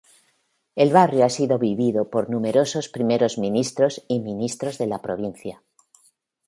El barrio ha sido vivido por numerosos primeros ministros y ministros de la provincia.